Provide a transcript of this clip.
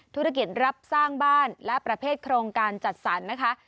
ธุรกิจรับสร้างบ้านและประเภทโครงการจัดสรรนะคะ